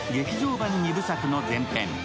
版２部作の前編。